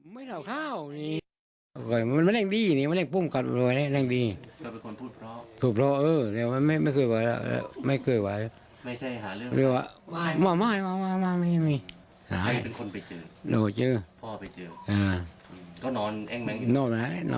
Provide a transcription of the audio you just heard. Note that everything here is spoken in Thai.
มีการสังสรรค์อะไรกันบ่อยไหมแถวนำตรงนั้น